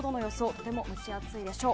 とても蒸し暑いでしょう。